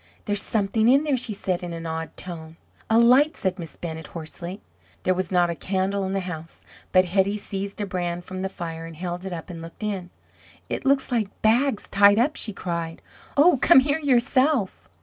"There's something in there!" she said in an awed tone. "A light!" said Miss Bennett hoarsely. There was not a candle in the house, but Hetty seized a brand from the fire, and held it up and looked in. "It looks like bags tied up," she cried. "Oh, come here yourself!"